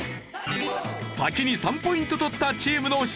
先に３ポイント取ったチームの勝利。